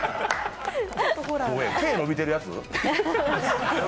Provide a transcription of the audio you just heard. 毛、伸びてるやつ？